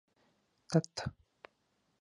تت